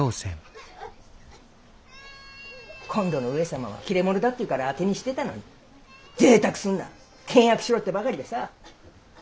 今度の上様は切れ者だっていうから当てにしてたのにぜいたくすんな倹約しろってばかりでさ。